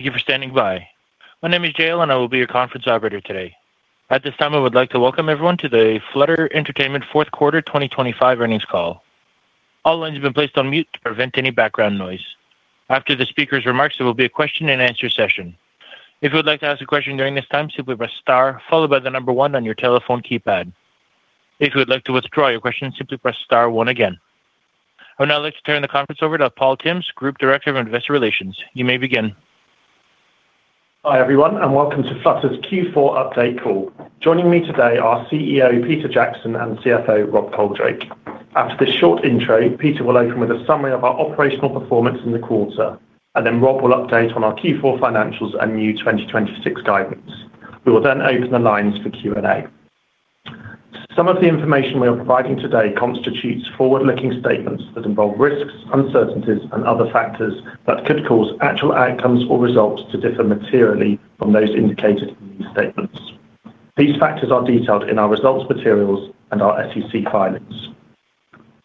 Thank you for standing by. My name is JL and I will be your conference operator today. At this time, I would like to welcome everyone to the Flutter Entertainment fourth quarter 2025 earnings call. All lines have been placed on mute to prevent any background noise. After the speaker's remarks, there will be a question-and-answer session. If you would like to ask a question during this time, simply press star followed by one on your telephone keypad. If you would like to withdraw your question, simply press star one again. I would now like to turn the conference over to Paul Tymms, Group Director of Investor Relations. You may begin. Hi, everyone, and welcome to Flutter's Q4 update call. Joining me today are CEO Peter Jackson and CFO Rob Coldrake. After this short intro, Peter will open with a summary of our operational performance in the quarter, and then Rob will update on our Q4 financials and new 2026 guidance. We will then open the lines for Q&A. Some of the information we are providing today constitutes forward-looking statements that involve risks, uncertainties, and other factors that could cause actual outcomes or results to differ materially from those indicated in these statements. These factors are detailed in our results materials and our SEC filings.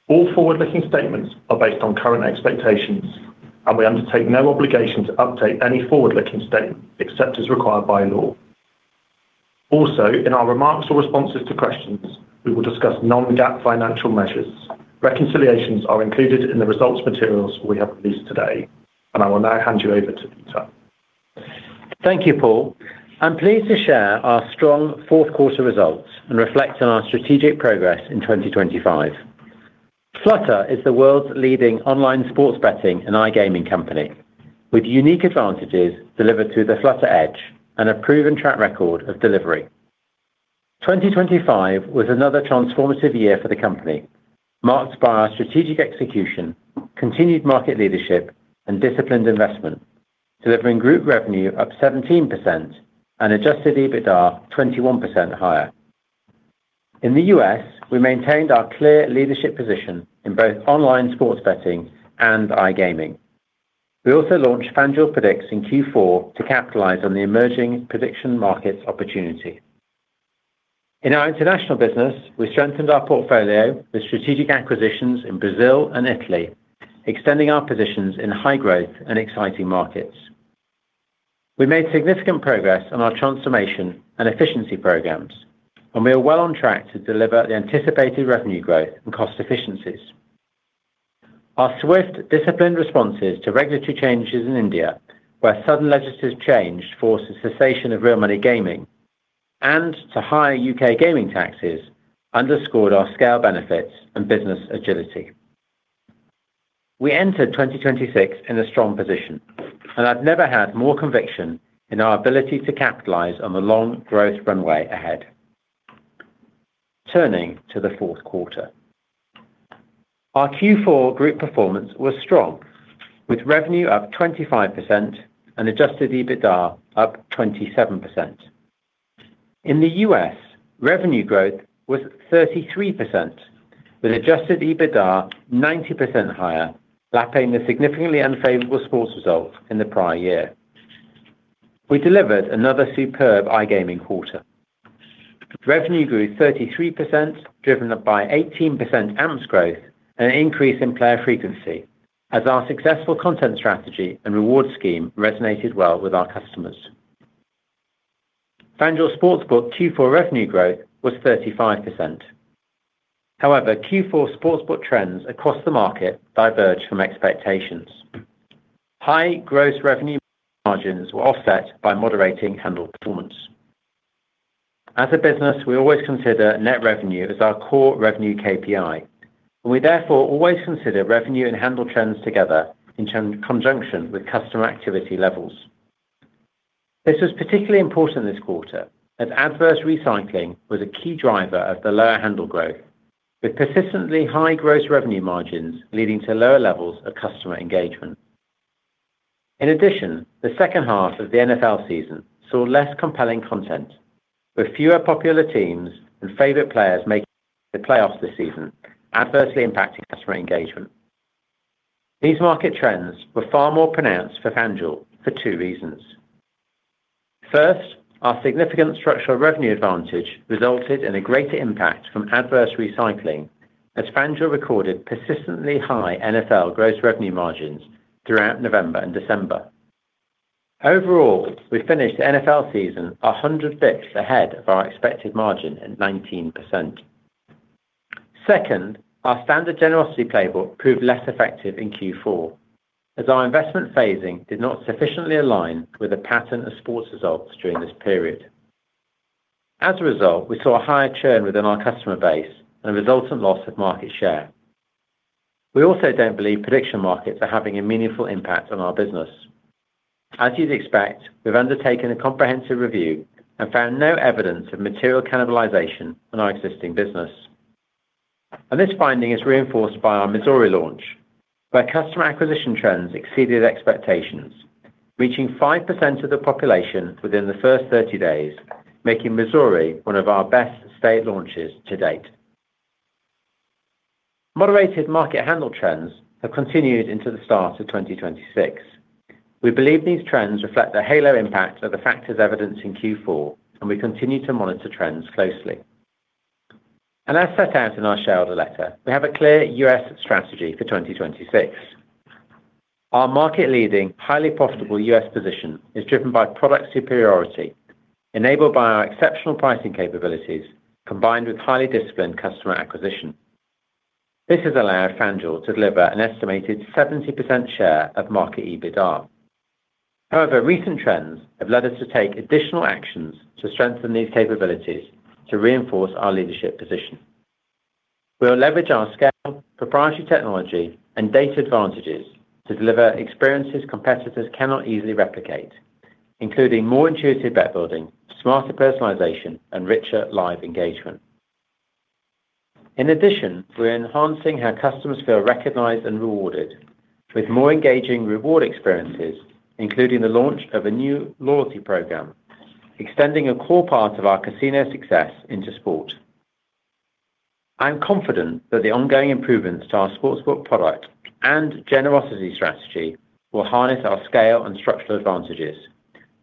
All forward-looking statements are based on current expectations, and we undertake no obligation to update any forward-looking statement except as required by law. Also, in our remarks or responses to questions, we will discuss non-GAAP financial measures. Reconciliations are included in the results materials we have released today. I will now hand you over to Peter. Thank you, Paul. I'm pleased to share our strong fourth quarter results and reflect on our strategic progress in 2025. Flutter Entertainment is the world's leading online sports betting and iGaming company, with unique advantages delivered through the Flutter Edge and a proven track record of delivery. 2025 was another transformative year for the company, marked by our strategic execution, continued market leadership, and disciplined investment, delivering group revenue up 17% and adjusted EBITDA 21% higher. In the U.S., we maintained our clear leadership position in both online sports betting and iGaming. We also launched FanDuel Predicts in Q4 to capitalize on the emerging prediction markets opportunity. In our international business, we strengthened our portfolio with strategic acquisitions in Brazil and Italy, extending our positions in high-growth and exciting markets. We made significant progress on our transformation and efficiency programs. We are well on track to deliver the anticipated revenue growth and cost efficiencies. Our swift, disciplined responses to regulatory changes in India, where sudden legislative change forced the cessation of real money gaming, and to higher U.K. gaming taxes underscored our scale benefits and business agility. We entered 2026 in a strong position. I've never had more conviction in our ability to capitalize on the long growth runway ahead. Turning to the 4th quarter. Our Q4 group performance was strong, with revenue up 25% and adjusted EBITDA up 27%. In the U.S., revenue growth was 33%, with adjusted EBITDA 90% higher, lapping the significantly unfavorable sports results in the prior year. We delivered another superb iGaming quarter. Revenue grew 33%, driven by 18% AMPs growth and an increase in player frequency as our successful content strategy and reward scheme resonated well with our customers. FanDuel sportsbook Q4 revenue growth was 35%. Q4 sportsbook trends across the market diverged from expectations. High gross revenue margins were offset by moderating handle performance. As a business, we always consider net revenue as our core revenue KPI. We therefore always consider revenue and handle trends together in conjunction with customer activity levels. This was particularly important this quarter, as adverse recycling was a key driver of the lower handle growth, with persistently high gross revenue margins leading to lower levels of customer engagement. The second half of the NFL season saw less compelling content, with fewer popular teams and favorite players making the playoffs this season adversely impacting customer engagement. These market trends were far more pronounced for FanDuel for two reasons. First, our significant structural revenue advantage resulted in a greater impact from adverse recycling as FanDuel recorded persistently high NFL gross revenue margins throughout November and December. Overall, we finished the NFL season 100 bits ahead of our expected margin at 19%. Second, our standard Generosity playbook proved less effective in Q4 as our investment phasing did not sufficiently align with the pattern of sports results during this period. As a result, we saw a higher churn within our customer base and a resultant loss of market share. We also don't believe prediction markets are having a meaningful impact on our business. As you'd expect, we've undertaken a comprehensive review and found no evidence of material cannibalization on our existing business. This finding is reinforced by our Missouri launch, where customer acquisition trends exceeded expectations, reaching 5% of the population within the first 30 days, making Missouri one of our best state launches to date. Moderated market handle trends have continued into the start of 2026. We believe these trends reflect the halo impact of the factors evidenced in Q4, and we continue to monitor trends closely. As set out in our shareholder letter, we have a clear U.S. strategy for 2026. Our market-leading, highly profitable U.S. position is driven by product superiority, enabled by our exceptional pricing capabilities, combined with highly disciplined customer acquisition. This has allowed FanDuel to deliver an estimated 70% share of market EBITDA. However, recent trends have led us to take additional actions to strengthen these capabilities to reinforce our leadership position. We'll leverage our scale, proprietary technology, and data advantages to deliver experiences competitors cannot easily replicate, including more intuitive bet building, smarter personalization, and richer live engagement. In addition, we're enhancing how customers feel recognized and rewarded with more engaging reward experiences, including the launch of a new loyalty program, extending a core part of our casino success into sport. I'm confident that the ongoing improvements to our sportsbook product and Generosity strategy will harness our scale and structural advantages,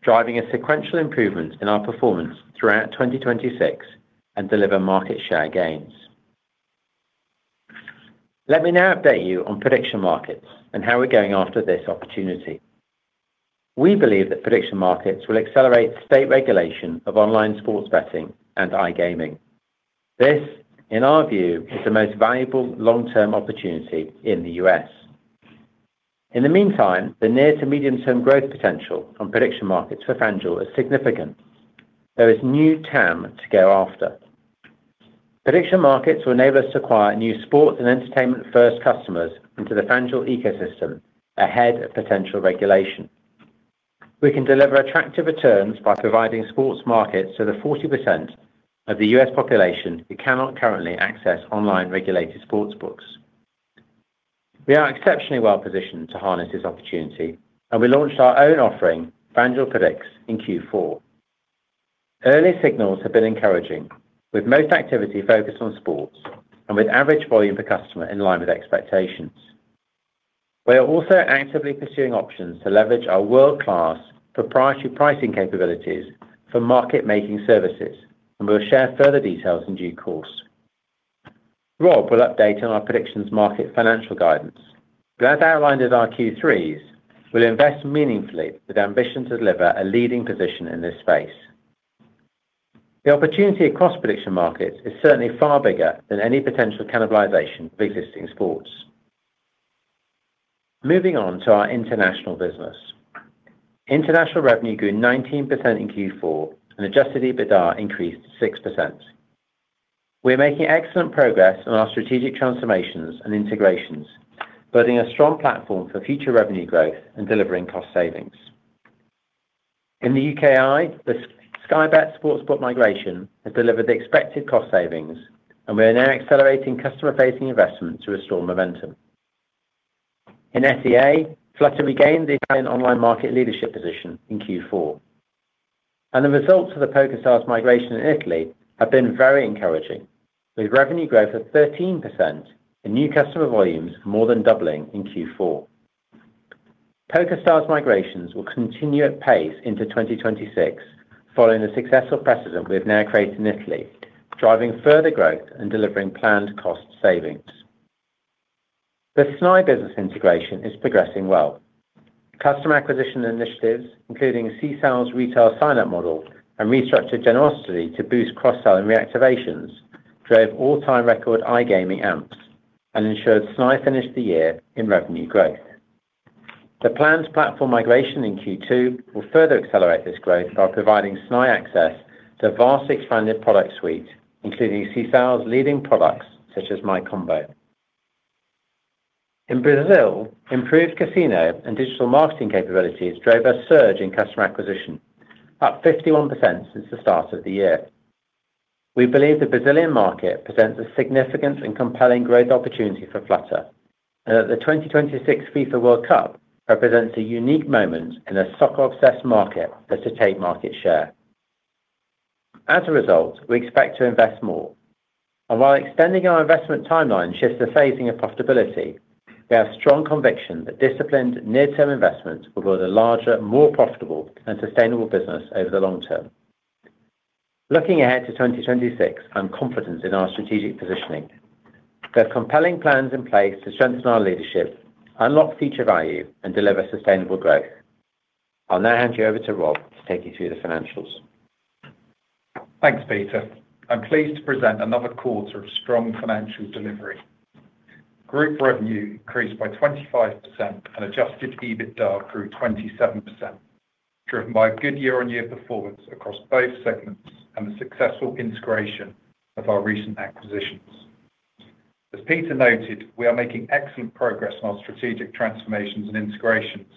driving a sequential improvement in our performance throughout 2026 and deliver market share gains. Let me now update you on prediction markets and how we're going after this opportunity. We believe that prediction markets will accelerate state regulation of online sports betting and iGaming. This, in our view, is the most valuable long-term opportunity in the U.S. In the meantime, the near to medium-term growth potential from prediction markets for FanDuel is significant. There is new TAM to go after. Prediction markets will enable us to acquire new sports and entertainment first customers into the FanDuel ecosystem ahead of potential regulation. We can deliver attractive returns by providing sports markets to the 40% of the U.S. population who cannot currently access online regulated sportsbooks. We are exceptionally well-positioned to harness this opportunity, and we launched our own offering, FanDuel Predicts, in Q4. Early signals have been encouraging with most activity focused on sports and with average volume per customer in line with expectations. We are also actively pursuing options to leverage our world-class proprietary pricing capabilities for market-making services, and we'll share further details in due course. Rob will update on our predictions market financial guidance. As outlined in our Q3s, we'll invest meaningfully with ambition to deliver a leading position in this space. The opportunity across prediction markets is certainly far bigger than any potential cannibalization of existing sports. Moving on to our international business. International revenue grew 19% in Q4, and adjusted EBITDA increased 6%. We're making excellent progress on our strategic transformations and integrations, building a strong platform for future revenue growth and delivering cost savings. In the UKI, the Sky Bet sportsbook migration has delivered the expected cost savings, and we are now accelerating customer-facing investment to restore momentum. In SEA, Flutter regained the online market leadership position in Q4. The results of the PokerStars migration in Italy have been very encouraging, with revenue growth of 13% and new customer volumes more than doubling in Q4. PokerStars migrations will continue at pace into 2026 following the successful precedent we've now created in Italy, driving further growth and delivering planned cost savings. The Snai business integration is progressing well. Customer acquisition initiatives, including Sisal's retail sign-up model and restructured Generosity to boost cross-sell and reactivations, drove all-time record iGaming AMPs and ensured Snai finished the year in revenue growth. The planned platform migration in Q2 will further accelerate this growth by providing Snai access to a vast expanded product suite, including Sisal's leading products such as MyCombo. In Brazil, improved casino and digital marketing capabilities drove a surge in customer acquisition, up 51% since the start of the year. We believe the Brazilian market presents a significant and compelling growth opportunity for Flutter, and that the 2026 FIFA World Cup represents a unique moment in a soccer-obsessed market for us to take market share. As a result, we expect to invest more. While extending our investment timeline shifts the phasing of profitability, we have strong conviction that disciplined near-term investments will build a larger, more profitable, and sustainable business over the long term. Looking ahead to 2026, I'm confident in our strategic positioning. We have compelling plans in place to strengthen our leadership, unlock future value, and deliver sustainable growth. I'll now hand you over to Rob to take you through the financials. Thanks, Peter. I'm pleased to present another quarter of strong financial delivery. Group revenue increased by 25% and adjusted EBITDA grew 27%, driven by a good year-on-year performance across both segments and the successful integration of our recent acquisitions. As Peter noted, we are making excellent progress on our strategic transformations and integrations,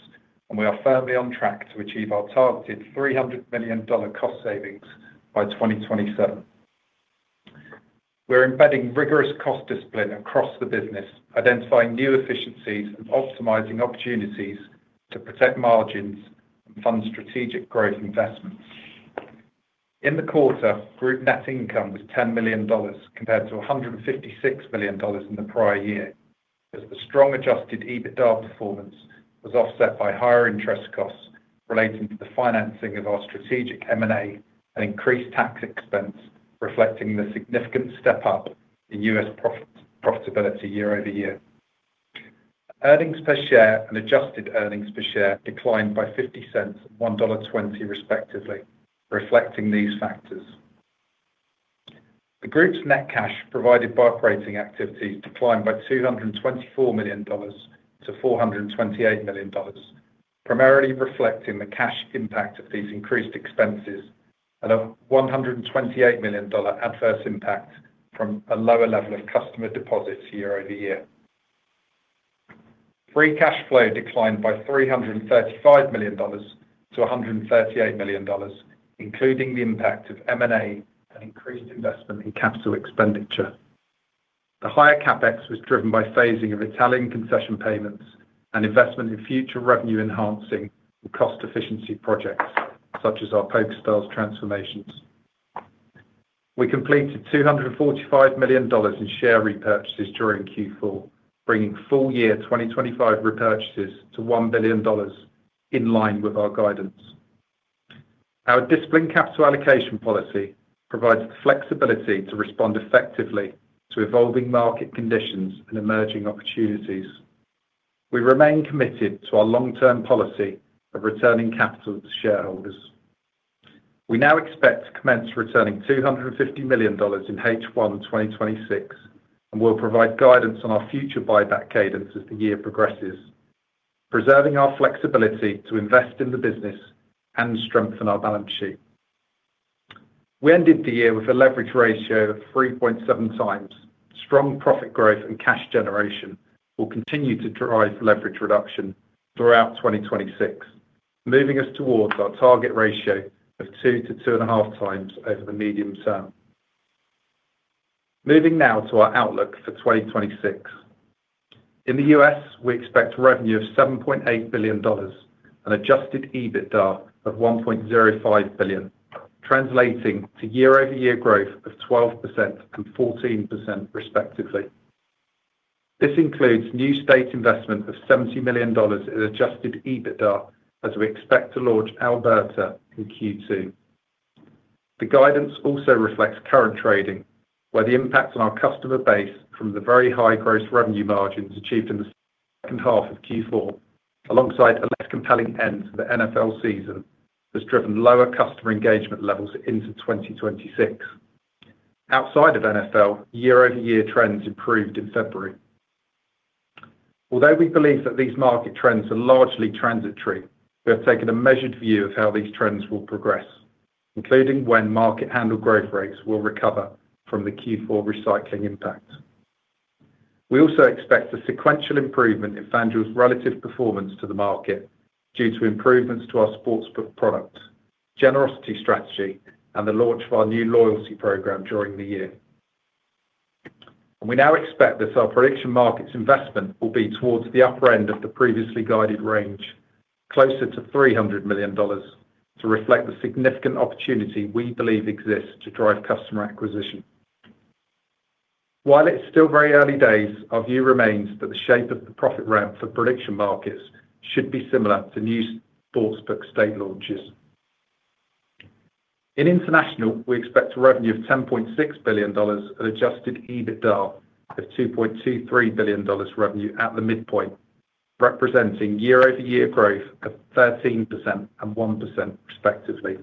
and we are firmly on track to achieve our targeted $300 million cost savings by 2027. We're embedding rigorous cost discipline across the business, identifying new efficiencies and optimizing opportunities to protect margins and fund strategic growth investments. In the quarter, group net income was $10 million compared to $156 billion in the prior year. As the strong adjusted EBITDA performance was offset by higher interest costs relating to the financing of our strategic M&A and increased tax expense, reflecting the significant step up in U.S. profitability year-over-year. Earnings per share and adjusted earnings per share declined by $0.50 and $1.20 respectively, reflecting these factors. The group's net cash provided by operating activity declined by $224 million to $428 million, primarily reflecting the cash impact of these increased expenses and a $128 million adverse impact from a lower level of customer deposits year-over-year. Free cash flow declined by $335 million to $138 million, including the impact of M&A and increased investment in capital expenditure. The higher CapEx was driven by phasing of Italian concession payments and investment in future revenue-enhancing and cost efficiency projects, such as our PokerStars transformations. We completed $245 million in share repurchases during Q4, bringing full-year 2025 repurchases to $1 billion in line with our guidance. Our disciplined capital allocation policy provides the flexibility to respond effectively to evolving market conditions and emerging opportunities. We remain committed to our long-term policy of returning capital to shareholders. We now expect to commence returning $250 million in H1 2026, and we'll provide guidance on our future buyback cadence as the year progresses, preserving our flexibility to invest in the business and strengthen our balance sheet. We ended the year with a leverage ratio of 3.7x. Strong profit growth and cash generation will continue to drive leverage reduction throughout 2026, moving us towards our target ratio of 2x to 2.5x over the medium term. Moving now to our outlook for 2026. In the U.S., we expect revenue of $7.8 billion an adjusted EBITDA of $1.05 billion, translating to year-over-year growth of 12% and 14% respectively. This includes new state investment of $70 million in adjusted EBITDA as we expect to launch Alberta in Q2. The guidance also reflects current trading, where the impact on our customer base from the very high gross revenue margins achieved in the second half of Q4, alongside a less compelling end to the NFL season, has driven lower customer engagement levels into 2026. Outside of NFL, year-over-year trends improved in February. Although we believe that these market trends are largely transitory, we have taken a measured view of how these trends will progress, including when market handle growth rates will recover from the Q4 recycling impact. We also expect a sequential improvement in FanDuel's relative performance to the market due to improvements to our sportsbook product, Generosity strategy, and the launch of our new loyalty program during the year. We now expect that our prediction markets investment will be towards the upper end of the previously guided range, closer to $300 million to reflect the significant opportunity we believe exists to drive customer acquisition. While it's still very early days, our view remains that the shape of the profit ramp for prediction markets should be similar to new sportsbook state launches. In international, we expect revenue of $10.6 billion and adjusted EBITDA of $2.23 billion revenue at the midpoint, representing year-over-year growth of 13% and 1% respectively.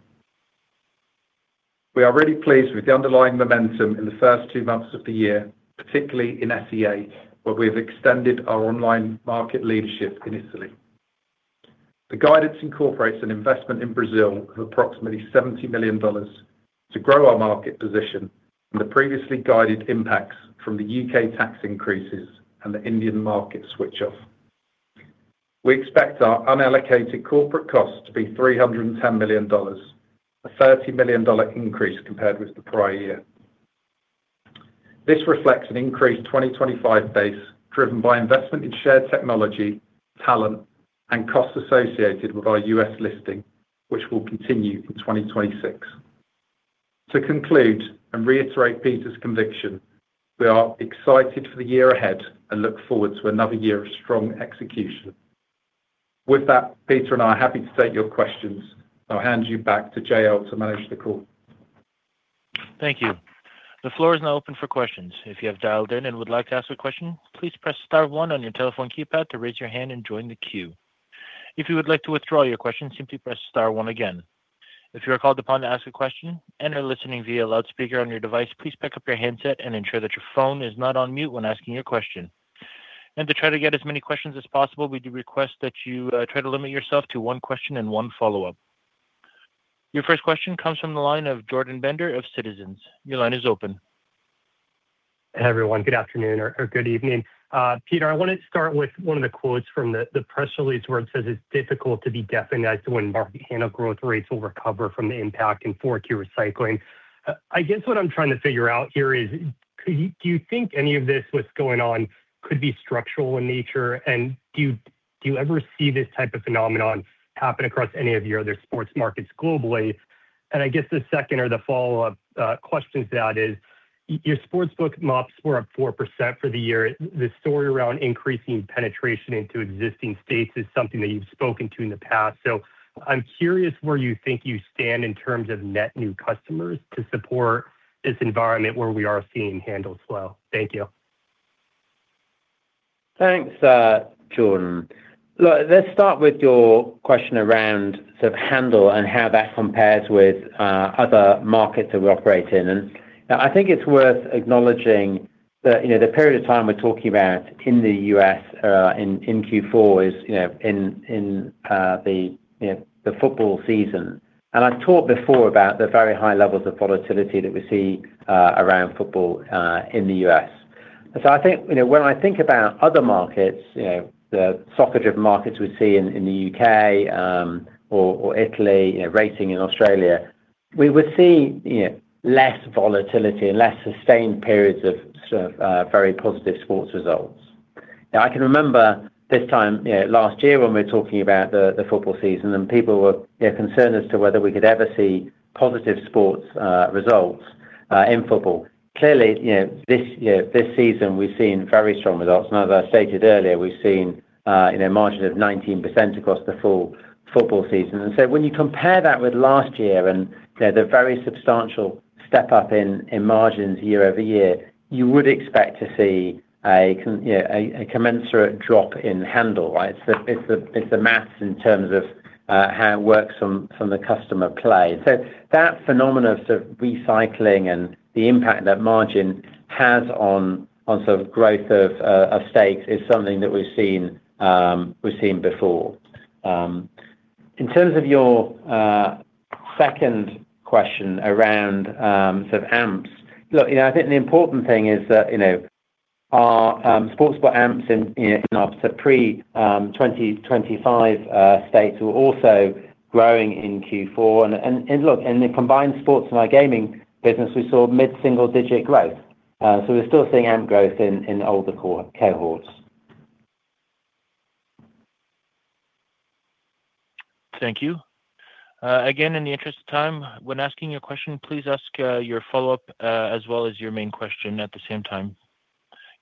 We are really pleased with the underlying momentum in the first two months of the year, particularly in SEA, where we have extended our online market leadership in Italy. The guidance incorporates an investment in Brazil of approximately $70 million to grow our market position and the previously guided impacts from the U.K. tax increases and the Indian market switch off. We expect our unallocated corporate cost to be $310 million, a $30 million increase compared with the prior year. This reflects an increased 2025 base driven by investment in shared technology, talent, and costs associated with our U.S. listing, which will continue for 2026. To conclude and reiterate Peter's conviction, we are excited for the year ahead and look forward to another year of strong execution. With that, Peter and I are happy to state your questions. I'll hand you back to JL to manage the call. Thank you. The floor is now open for questions. If you have dialed in and would like to ask a question, please press star one on your telephone keypad to raise your hand and join the queue. If you would like to withdraw your question, simply press star one again. If you are called upon to ask a question and are listening via loudspeaker on your device, please pick up your handset and ensure that your phone is not on mute when asking your question. To try to get as many questions as possible, we do request that you try to limit yourself to one question and one follow-up. Your first question comes from the line of Jordan Bender of Citizens. Your line is open. Everyone, good afternoon or good evening. Peter, I want to start with one of the quotes from the press release where it says it's difficult to be definite as to when market handle growth rates will recover from the impact in 4Q recycling. I guess what I'm trying to figure out here is do you think any of this what's going on could be structural in nature? Do you ever see this type of phenomenon happen across any of your other sports markets globally? I guess the second or the follow-up question to that is, your sportsbook AMPs were up 4% for the year. The story around increasing penetration into existing states is something that you've spoken to in the past. I'm curious where you think you stand in terms of net new customers to support this environment where we are seeing handles slow. Thank you. Thanks, Jordan. Look, let's start with your question around sort of handle and how that compares with other markets that we operate in. I think it's worth acknowledging that, you know, the period of time we're talking about in the U.S., in Q4 is, you know, in the, you know, the football season. I've talked before about the very high levels of volatility that we see around football in the U.S.. I think, you know, when I think about other markets, you know, the soccer driven markets we see in the U.K., or Italy, you know, racing in Australia, we would see, you know, less volatility and less sustained periods of sort of very positive sports results. I can remember this time, you know, last year when we were talking about the football season and people were, you know, concerned as to whether we could ever see positive sports results in football. Clearly, you know, this season, we've seen very strong results. As I stated earlier, we've seen, you know, margin of 19% across the full football season. When you compare that with last year and the very substantial step up in margins year-over-year, you would expect to see a commensurate drop in handle, right? It's the math in terms of how it works from the customer play. That phenomenon of sort of recycling and the impact that margin has on sort of growth of stakes is something that we've seen, we've seen before. In terms of your second question around sort of AMPs. Look, you know, I think the important thing is that, you know, our sportsbook AMPs in, you know, in our pre-2025 states were also growing in Q4. Look, in the combined sports and our gaming business, we saw mid-single digit growth. We're still seeing AMP growth in older cohorts. Thank you. again, in the interest of time, when asking your question, please ask your follow-up as well as your main question at the same time.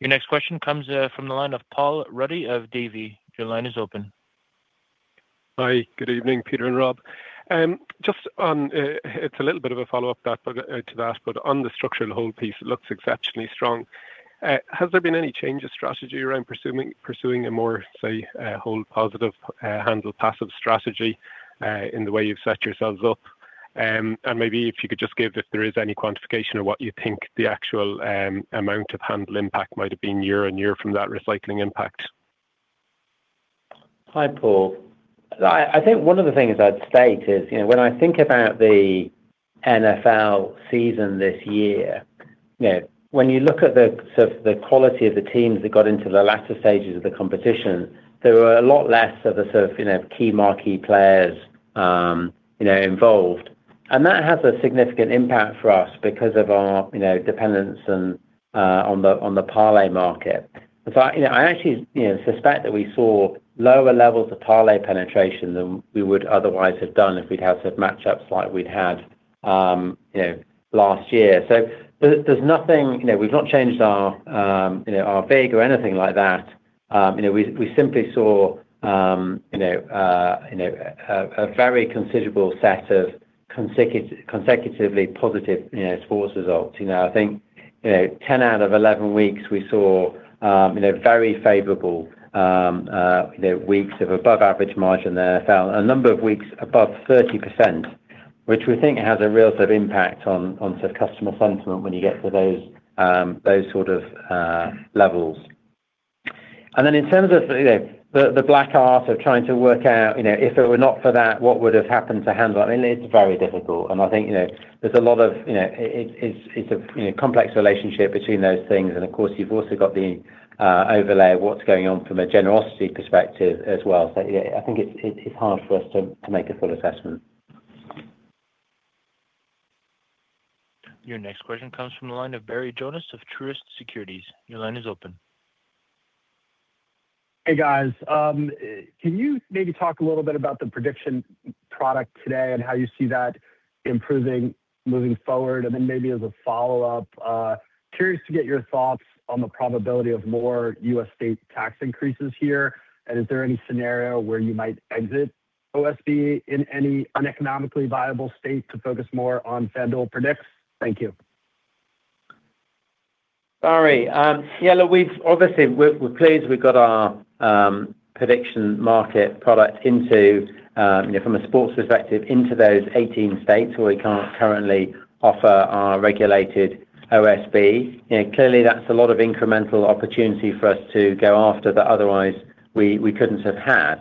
Your next question comes from the line of Paul Ruddy of Davy. Your line is open. Hi. Good evening, Peter and Rob. Just on, it's a little bit of a follow-up that I forgot to ask, but on the structure and hold piece, it looks exceptionally strong. Has there been any change of strategy around pursuing a more, say, hold positive, handle passive strategy, in the way you've set yourselves up? Maybe if you could just give, if there is any quantification of what you think the actual, amount of handle impact might have been year-over-year from that recycling impact? Hi, Paul. I think one of the things I'd state is, you know, when I think about the NFL season this year, you know, when you look at the sort of the quality of the teams that got into the latter stages of the competition, there were a lot less of the sort of, you know, key marquee players, you know, involved. That has a significant impact for us because of our, you know, dependence and on the, on the parlay market. I, you know, I actually, you know, suspect that we saw lower levels of parlay penetration than we would otherwise have done if we'd had sort of match-ups like we'd had, you know, last year. There's, there's nothing, you know, we've not changed our, you know, our vig or anything like that. You know, we simply saw, you know, a very considerable set of consecutively positive, you know, sports results. You know, I think, you know, 10 out of 11 weeks, we saw, you know, very favorable, you know, weeks of above average margin there. Found a number of weeks above 30%, which we think has a real sort of impact on sort of customer sentiment when you get to those sort of levels. In terms of, you know, the black art of trying to work out, you know, if it were not for that, what would have happened to handle? I mean, it's very difficult and I think, you know, there's a lot of, you know, it's a, you know, complex relationship between those things. Of course, you've also got the overlay of what's going on from a Generosity perspective as well. Yeah, I think it's hard for us to make a full assessment. Your next question comes from the line of Barry Jonas of Truist Securities. Your line is open. Hey, guys. Can you maybe talk a little bit about the prediction product today and how you see that improving moving forward? Then maybe as a follow-up, curious to get your thoughts on the probability of more U.S. state tax increases here. Is there any scenario where you might exit OSB in any uneconomically viable state to focus more on FanDuel Predicts? Thank you. Sorry. Yeah, look, obviously we're pleased we've got our prediction market product into, you know, from a sports perspective, into those 18 states where we can't currently offer our regulated OSB. You know, clearly that's a lot of incremental opportunity for us to go after that otherwise we couldn't have had.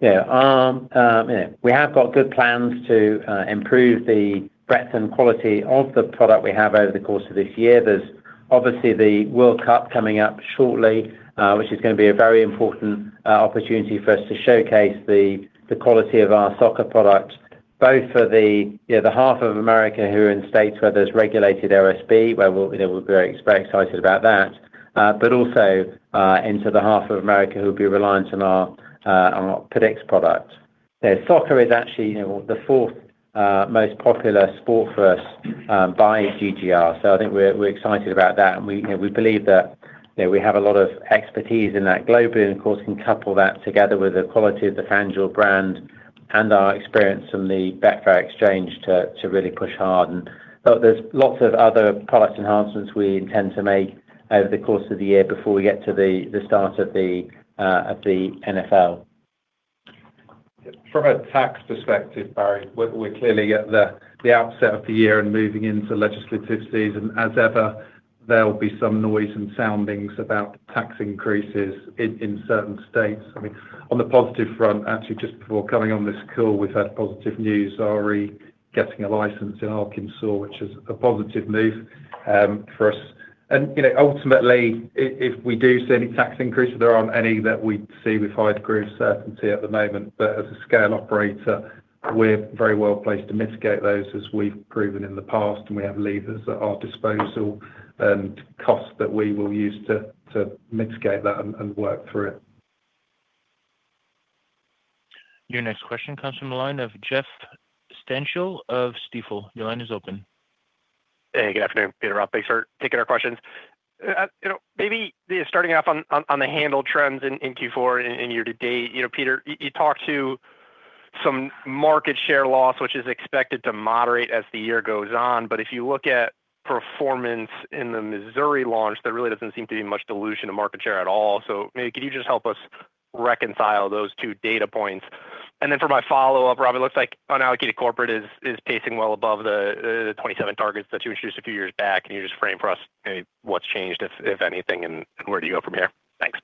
Yeah. You know, we have got good plans to improve the breadth and quality of the product we have over the course of this year. There's obviously the World Cup coming up shortly, which is gonna be a very important opportunity for us to showcase the quality of our soccer product, both for the, you know, the half of America who are in states where there's regulated OSB, where we'll, you know, we're very excited about that. Also, into the half of America who will be reliant on our Predicts product. Soccer is actually, you know, the fourth most popular sport for us by GGR. I think we're excited about that and we, you know, we believe that, you know, we have a lot of expertise in that globally and of course can couple that together with the quality of the FanDuel brand and our experience in the Betfair exchange to really push hard. There's lots of other product enhancements we intend to make over the course of the year before we get to the start of the NFL. From a tax perspective, Barry, we're clearly at the outset of the year and moving into legislative season. As ever, there'll be some noise and soundings about tax increases in certain states. I mean, on the positive front, actually just before coming on this call, we've had positive news already getting a license in Arkansas, which is a positive move for us. You know, ultimately if we do see any tax increase, there aren't any that we see with high degree of certainty at the moment, but as a scale operator, we're very well placed to mitigate those as we've proven in the past, and we have levers at our disposal and costs that we will use to mitigate that and work through it. Your next question comes from the line of Jeff Stantial of Stifel. Your line is open. Hey, good afternoon, Peter, Rob. Thanks for taking our questions. You know, maybe starting off on, on the handle trends in Q4 and year-to-date. You know, Peter, you talked to some market share loss, which is expected to moderate as the year goes on. If you look at performance in the Missouri launch, there really doesn't seem to be much dilution of market share at all. Maybe could you just help us reconcile those two data points? For my follow-up, Rob, it looks like unallocated corporate is pacing well above the 27 targets that you introduced a few years back. Can you just frame for us any what's changed, if anything, and where do you go from here? Thanks.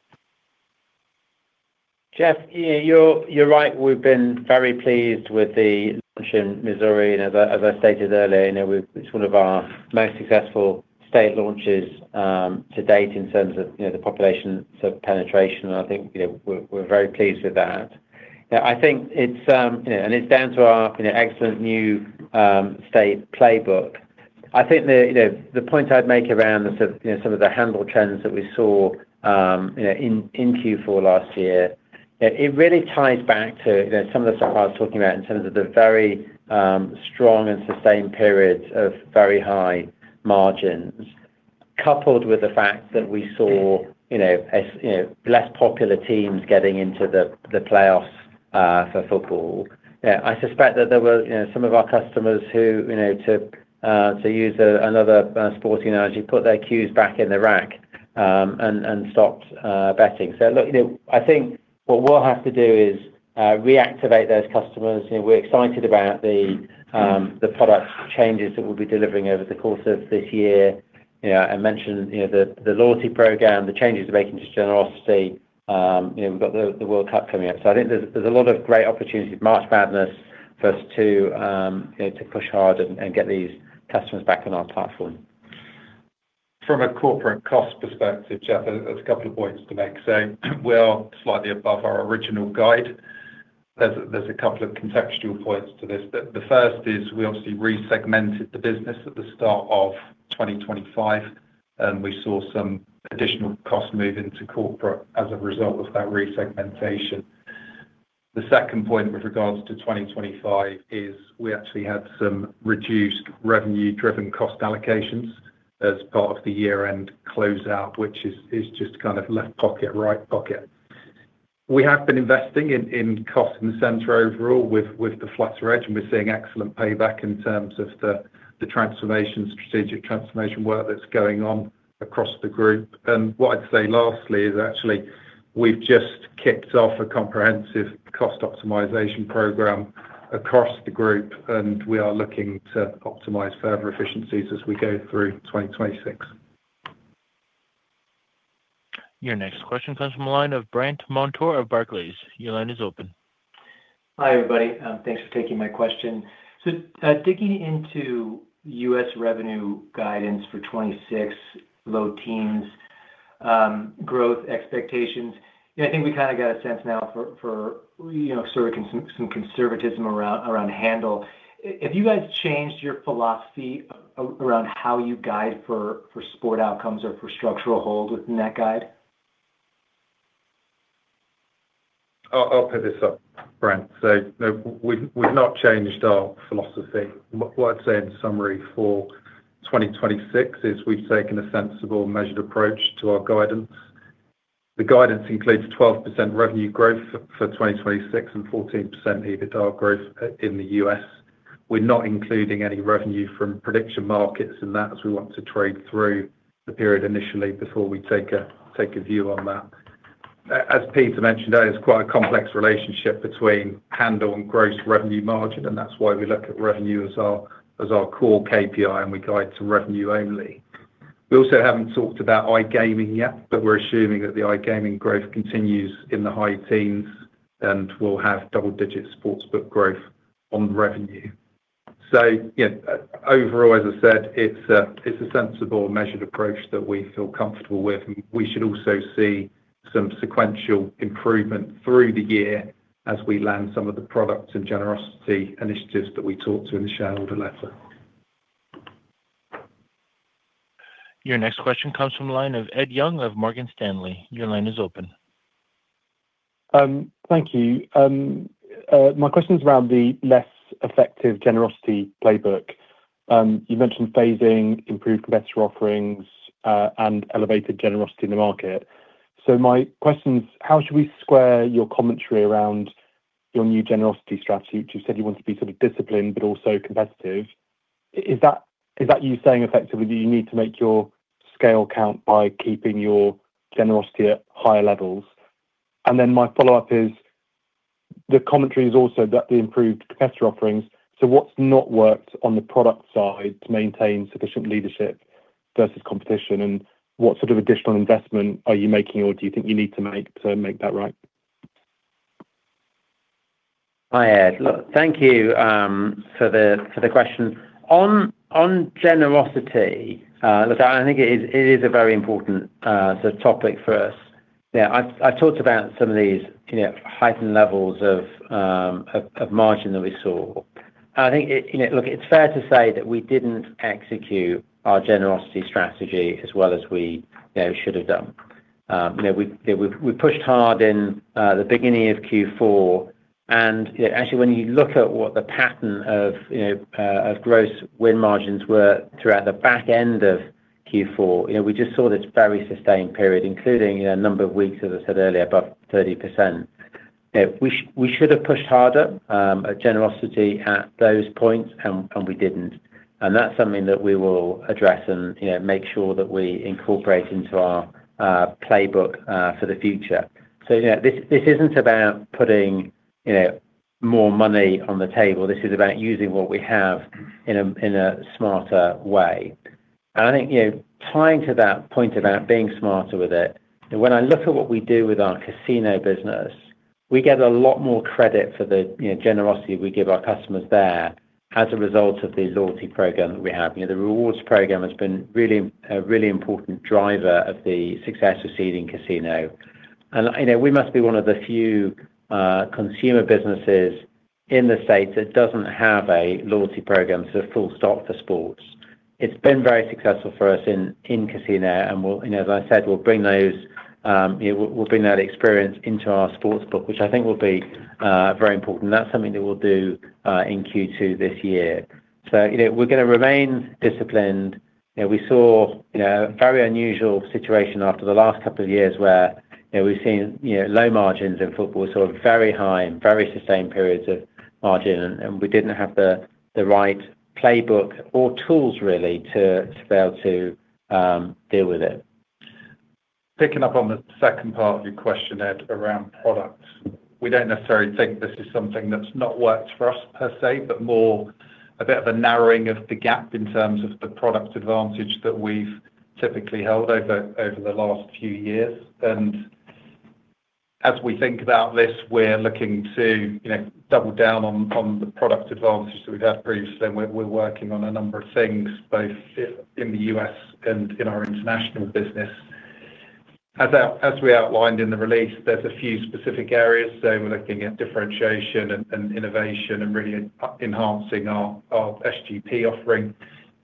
Jeff, you're right. We've been very pleased with the launch in Missouri. As I stated earlier, you know, it's one of our most successful state launches to date in terms of, you know, the population sort of penetration. I think, you know, we're very pleased with that. You know, I think it's down to our, you know, excellent new state playbook. I think the, you know, the point I'd make around the sort, you know, some of the handle trends that we saw, you know, in Q4 last year, it really ties back to, you know, some of the stuff I was talking about in terms of the very strong and sustained periods of very high margins, coupled with the fact that we saw, you know, as, you know, less popular teams getting into the playoffs for football. Yeah, I suspect that there were, you know, some of our customers who, you know, to use another sports analogy, put their cues back in the rack, and stopped betting. Look, you know, I think what we'll have to do is reactivate those customers. You know, we're excited about the product changes that we'll be delivering over the course of this year. You know, I mentioned, you know, the loyalty program, the changes we're making to Generosity. You know, we've got the World Cup coming up. I think there's a lot of great opportunities, March Madness for us to, you know, to push hard and get these customers back on our platform. From a corporate cost perspective, Jeff, there's a couple of points to make. We are slightly above our original guide. There's a couple of contextual points to this. The first is we obviously resegmented the business at the start of 2025, and we saw some additional cost move into corporate as a result of that resegmentation. The second point with regards to 2025 is we actually had some reduced revenue driven cost allocations as part of the year-end closeout, which is just kind of left pocket, right pocket. We have been investing in cost in the center overall with the Flutter Edge, and we're seeing excellent payback in terms of the transformation, strategic transformation work that's going on across the group. What I'd say lastly is actually we've just kicked off a comprehensive cost optimization program across the group, and we are looking to optimize further efficiencies as we go through 2026. Your next question comes from the line of Brandt Montour of Barclays. Your line is open. Hi, everybody. Thanks for taking my question. Digging into U.S. revenue guidance for 2026 low teens growth expectations, you know, I think we kind of got a sense now for, you know, sort of some conservatism around handle. Have you guys changed your philosophy around how you guide for sport outcomes or for structural hold within that guide? I'll pick this up, Brandt. you know, we've not changed our philosophy. What I'd say in summary for 2026 is we've taken a sensible measured approach to our guidance. The guidance includes 12% revenue growth for 2026 and 14% EBITDA growth in the U.S. We're not including any revenue from prediction markets and that as we want to trade through the period initially before we take a view on that. As Peter mentioned, there is quite a complex relationship between handle and gross revenue margin, and that's why we look at revenue as our core KPI, and we guide to revenue only. We also haven't talked about iGaming yet, but we're assuming that the iGaming growth continues in the high teens, and we'll have double-digit sportsbook growth on revenue. Yeah, overall, as I said, it's a sensible measured approach that we feel comfortable with, and we should also see some sequential improvement through the year as we land some of the products and Generosity initiatives that we talked to in the shareholder letter. Your next question comes from the line of Ed Young of Morgan Stanley. Your line is open. Thank you. My question is around the less effective Generosity playbook. You mentioned phasing, improved competitor offerings, and elevated Generosity in the market. My question is, how should we square your commentary around your new Generosity strategy, which you said you want to be sort of disciplined but also competitive? Is that you saying effectively you need to make your scale count by keeping your Generosity at higher levels? My follow-up is the commentary is also that the improved competitor offerings. What's not worked on the product side to maintain sufficient leadership versus competition? What sort of additional investment are you making or do you think you need to make to make that right? Hi, Ed. Look, thank you for the question. On Generosity, look, I think it is a very important sort of topic for us. Yeah, I've talked about some of these, you know, heightened levels of margin that we saw. I think, you know, look, it's fair to say that we didn't execute our Generosity strategy as well as we, you know, should have done. You know, we pushed hard in the beginning of Q4, and actually, when you look at what the pattern of, you know, gross win margins were throughout the back end of Q4, you know, we just saw this very sustained period, including, you know, a number of weeks, as I said earlier, above 30%. You know, we should have pushed harder at Generosity at those points, and we didn't. That's something that we will address and, you know, make sure that we incorporate into our playbook for the future. Yeah, this isn't about putting, you know, more money on the table. This is about using what we have in a, in a smarter way. I think, you know, tying to that point about being smarter with it, when I look at what we do with our casino business, we get a lot more credit for the, you know, Generosity we give our customers there as a result of the loyalty program that we have. You know, the rewards program has been a really important driver of the success we're seeing in casino. You know, we must be one of the few consumer businesses in the States that doesn't have a loyalty program to a full stop for sports. It's been very successful for us in casino and as I said, we'll bring those, you know, we'll bring that experience into our sports book, which I think will be very important. That's something that we'll do in Q2 this year. You know, we're gonna remain disciplined. You know, we saw, you know, a very unusual situation after the last couple of years where, you know, we've seen, you know, low margins in football, very high and very sustained periods of margin, and we didn't have the right playbook or tools really to be able to deal with it. Picking up on the second part of your question, Ed, around products. We don't necessarily think this is something that's not worked for us per se, but more a bit of a narrowing of the gap in terms of the product advantage that we've typically held over the last few years. As we think about this, we're looking to, you know, double down on the product advantages that we've had previously, and we're working on a number of things both in the U.S. and in our international business. As we outlined in the release, there's a few specific areas, so we're looking at differentiation and innovation and really enhancing our SGP offering.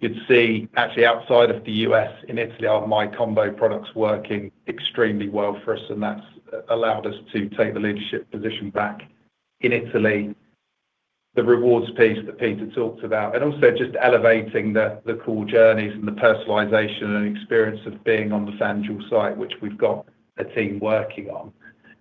You'd see actually outside of the U.S. in Italy, our MyCombo product's working extremely well for us, and that's allowed us to take the leadership position back in Italy. The rewards piece that Peter talked about, also just elevating the cool journeys and the personalization and experience of being on the FanDuel site, which we've got a team working on.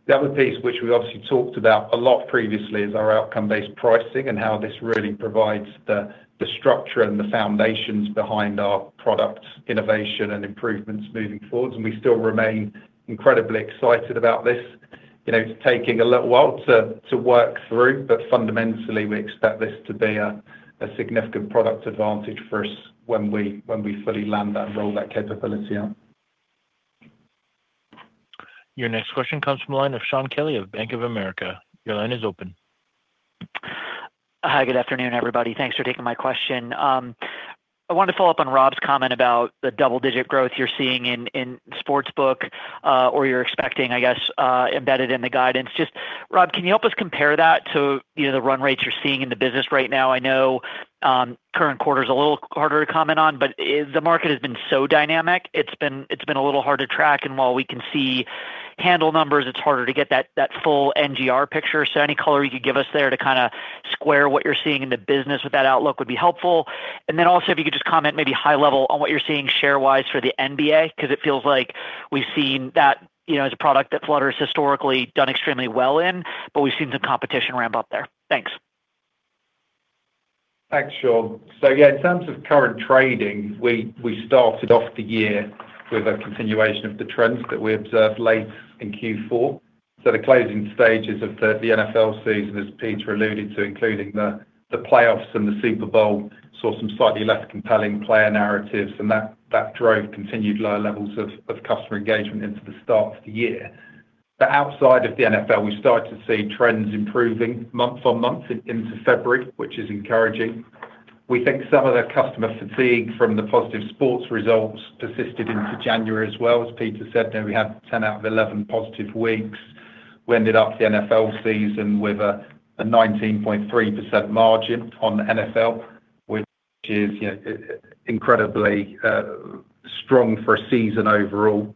The other piece, which we obviously talked about a lot previously, is our outcome-based pricing and how this really provides the structure and the foundations behind our product innovation and improvements moving forward. We still remain incredibly excited about this. You know, it's taking a little while to work through, but fundamentally, we expect this to be a significant product advantage for us when we fully land that and roll that capability out. Your next question comes from the line of Shaun Kelley of Bank of America. Your line is open. Hi, good afternoon, everybody. Thanks for taking my question. I wanted to follow up on Rob's comment about the double-digit growth you're seeing in sports book, or you're expecting, I guess, embedded in the guidance. Just, Rob, can you help us compare that to, you know, the run rates you're seeing in the business right now? I know current quarter's a little harder to comment on, but the market has been so dynamic, it's been a little hard to track. While we can see handle numbers, it's harder to get that full NGR picture. Any color you could give us there to kinda square what you're seeing in the business with that outlook would be helpful. Also if you could just comment maybe high level on what you're seeing share-wise for the NBA, 'cause it feels like we've seen that, you know, as a product that Flutter's historically done extremely well in, but we've seen some competition ramp up there. Thanks. Thanks, Shaun. Yeah, in terms of current trading, we started off the year with a continuation of the trends that we observed late in Q4. The closing stages of the NFL season, as Peter alluded to, including the playoffs and the Super Bowl, saw some slightly less compelling player narratives, and that drove continued lower levels of customer engagement into the start of the year. Outside of the NFL, we started to see trends improving month-on-month into February, which is encouraging. We think some of the customer fatigue from the positive sports results persisted into January as well. As Peter said, you know, we had 10 out of 11 positive weeks. We ended up the NFL season with a 19.3% margin on NFL, which is, you know, incredibly strong for a season overall.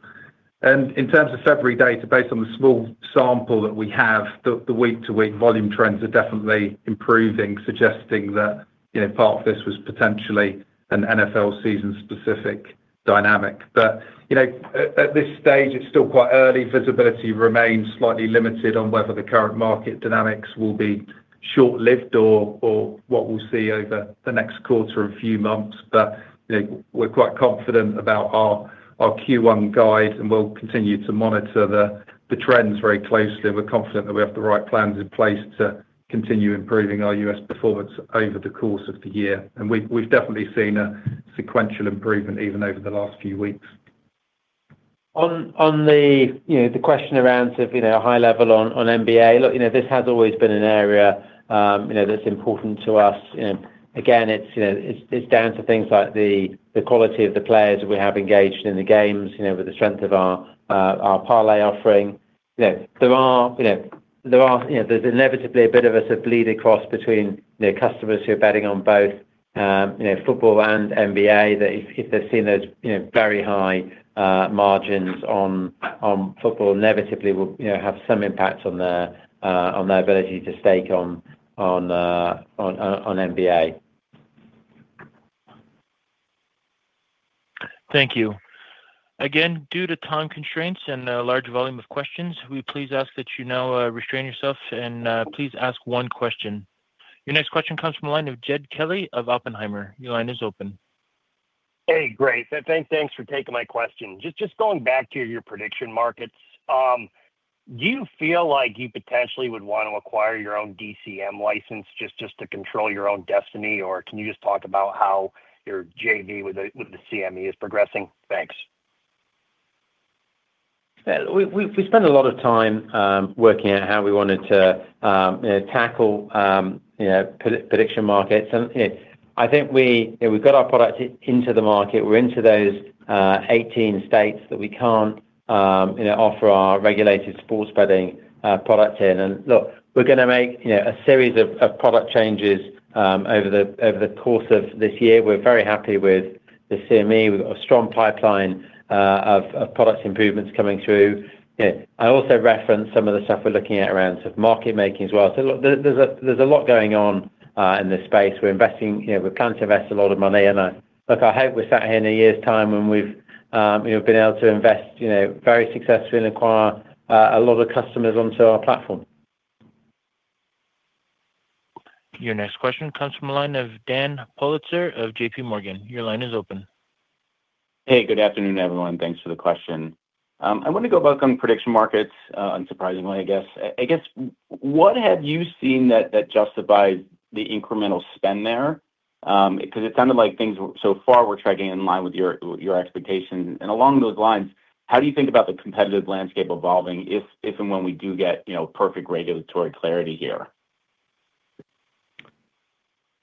In terms of February data, based on the small sample that we have, the week-to-week volume trends are definitely improving, suggesting that, you know, part of this was potentially an NFL season specific dynamic. At this stage, it's still quite early. Visibility remains slightly limited on whether the current market dynamics will be short-lived or what we'll see over the next quarter or few months. We're quite confident about our Q1 guide, and we'll continue to monitor the trends very closely. We're confident that we have the right plans in place to continue improving our U.S. performance over the course of the year. We've definitely seen a sequential improvement even over the last few weeks. On the, you know, the question around sort of, you know, high level on NBA. Look, you know, this has always been an area, you know, that's important to us. You know, again, it's, you know, it's down to things like the quality of the players we have engaged in the games, you know, with the strength of our parlay offering. You know, there's inevitably a bit of a sort of bleed across between the customers who are betting on both, you know, football and NBA that if they're seeing those, you know, very high margins on football, inevitably will, you know, have some impact on their ability to stake on NBA. Thank you. Again, due to time constraints and a large volume of questions, we please ask that you now restrain yourself and please ask one question. Your next question comes from a line of Jed Kelly of Oppenheimer. Your line is open. Hey, great. Thanks for taking my question. Just going back to your prediction markets, do you feel like you potentially would want to acquire your own DCM license just to control your own destiny? Or can you just talk about how your JV with the CME is progressing? Thanks. Yeah. We spent a lot of time working out how we wanted to, you know, tackle, you know, prediction markets. You know, I think we, you know, we've got our product into the market. We're into those 18 states that we can't, you know, offer our regulated sports betting product in. Look, we're gonna make, you know, a series of product changes over the course of this year. We're very happy with the CME. We've got a strong pipeline of product improvements coming through. You know, I also referenced some of the stuff we're looking at around sort of market making as well. Look, there's a lot going on in this space. We're investing, you know, we plan to invest a lot of money and. Look, I hope we're sat here in a year's time when we've, you know, been able to invest, you know, very successfully and acquire a lot of customers onto our platform. Your next question comes from a line of Dan Politzer of JPMorgan. Your line is open. Hey, good afternoon, everyone. Thanks for the question. I want to go back on prediction markets, unsurprisingly, I guess. I guess, what have you seen that justifies the incremental spend there? 'Cause it sounded like things so far were tracking in line with your expectations. Along those lines, how do you think about the competitive landscape evolving if and when we do get, you know, perfect regulatory clarity here?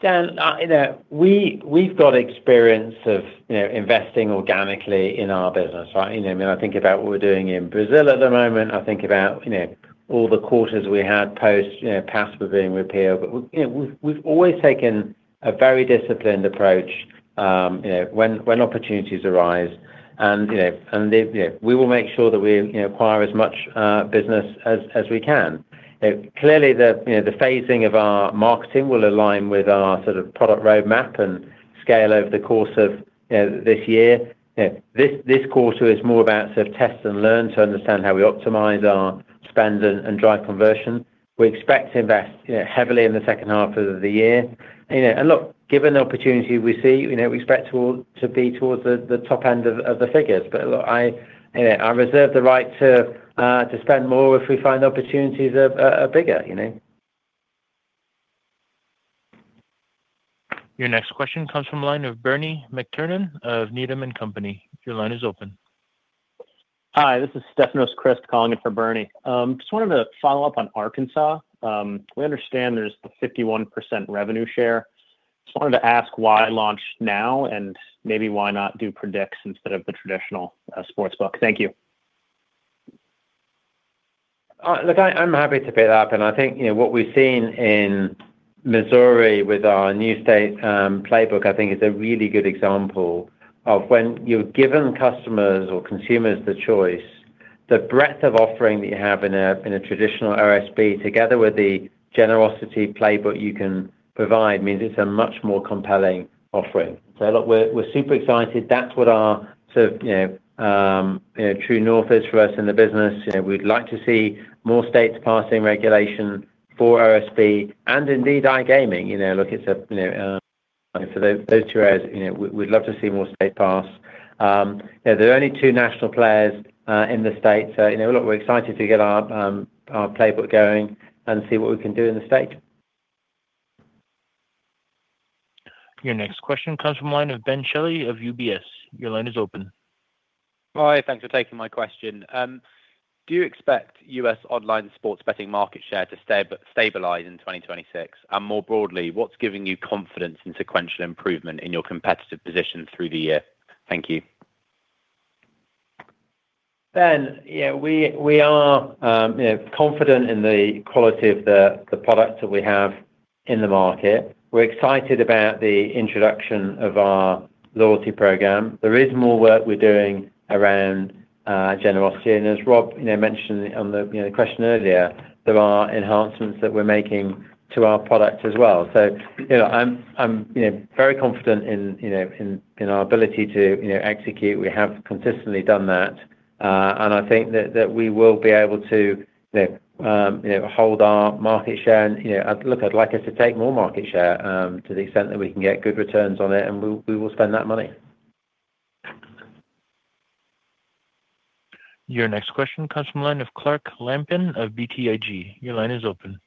Dan, you know, we've got experience of, you know, investing organically in our business, right? You know what I mean? I think about what we're doing in Brazil at the moment. I think about, you know, all the quarters we had post, you know, PASPA being repealed. We, you know, we've always taken a very disciplined approach, you know, when opportunities arise and, you know, and, you know, we will make sure that we, you know, acquire as much business as we can. You know, clearly the, you know, the phasing of our marketing will align with our sort of product roadmap and scale over the course of, you know, this year. You know, this quarter is more about sort of test and learn to understand how we optimize our spend and drive conversion. We expect to invest, you know, heavily in the second half of the year. You know, look, given the opportunity we see, you know, we expect to be towards the top end of the figures. Look, I, you know, I reserve the right to spend more if we find opportunities are bigger, you know. Your next question comes from a line of Bernie McTernan of Needham & Company. Your line is open. Hi, this is Stefanos Crist calling in for Bernie. Just wanted to follow up on Arkansas. We understand there's a 51% revenue share. Just wanted to ask why launch now and maybe why not do predicts instead of the traditional, sportsbook? Thank you. Look, I'm happy to pick it up. I think, you know, what we've seen in Missouri with our new state playbook, I think, is a really good example of when you're giving customers or consumers the choice, the breadth of offering that you have in a, in a traditional OSB, together with the Generosity playbook you can provide means it's a much more compelling offering. Look, we're super excited. That's what our sort of, you know, true north is for us in the business. You know, we'd like to see more states passing regulation for OSB and indeed iGaming. You know, look, it's a, so those two areas, you know, we'd love to see more state pass. You know, there are only two national players in the state. You know, look, we're excited to get our playbook going and see what we can do in the state. Your next question comes from a line of Ben Shelley of UBS. Your line is open. Hi, thanks for taking my question. Do you expect U.S. online sports betting market share to stay but stabilize in 2026? More broadly, what's giving you confidence in sequential improvement in your competitive position through the year? Thank you. Yeah, we are, you know, confident in the quality of the products that we have in the market. We're excited about the introduction of our loyalty program. There is more work we're doing around Generosity. As Rob, you know, mentioned on the, you know, the question earlier, there are enhancements that we're making to our product as well. I'm, you know, very confident in, you know, in our ability to, you know, execute. We have consistently done that. I think that we will be able to, you know, hold our market share. You know, look, I'd like us to take more market share, to the extent that we can get good returns on it, and we will spend that money. Your next question comes from a line of Clark Lampen of BTIG. Your line is open.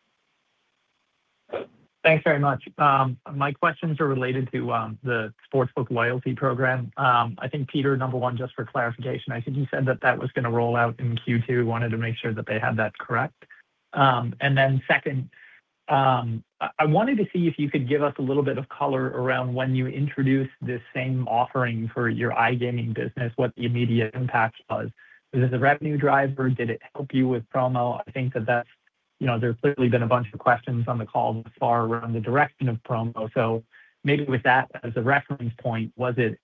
Thanks very much. My questions are related to the sportsbook loyalty program. I think, Peter, number one, just for clarification, I think you said that that was gonna roll out in Q2. Wanted to make sure that they had that correct. Second, I wanted to see if you could give us a little bit of color around when you introduced this same offering for your iGaming business, what the immediate impact was. Was it a revenue driver? Did it help you with promo? I think that that's, you know, there's clearly been a bunch of questions on the call thus far around the direction of promo. Maybe with that as a reference point, was it